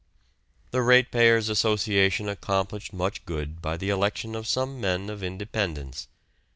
The ratepayers' association accomplished much good by the election of some men of independence.